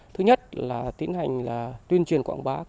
thứ nhất là tuyên truyền quảng bá